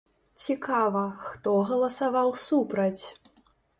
Цікава, хто галасаваў супраць?